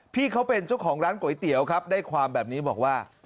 พี่เขาเป็นเจ้าของร้านก๋วยเตี๋ยวครับได้ความแบบนี้บอกว่า